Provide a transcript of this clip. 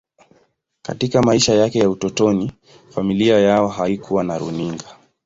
Katika maisha yake ya utotoni, familia yao haikuwa na runinga.